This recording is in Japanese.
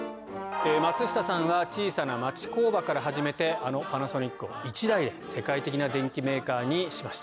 松下さんは小さな町工場から始めてあのパナソニックを一代で世界的な電機メーカーにしました。